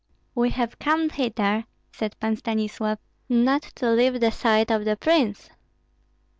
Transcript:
"We have come hither," said Pan Stanislav, "not to leave the side of the prince."